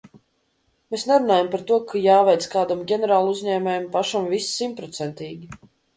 Mēs nerunājam par to, ka jāveic kādam ģenerāluzņēmējam pašam viss simtprocentīgi.